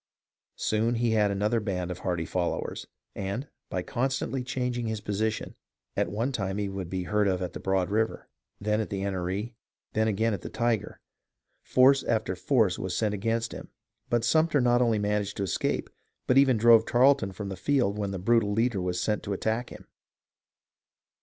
Soon he had another band of hardy followers, and, by con stantly changing his position, at one time he would be heard of at the Broad River, then at the Enoree, and then again at the Tyger. Force after force was sent against him, but Sumter not only managed to escape, but even drove Tarleton from the field when that brutal leader was sent to attack him.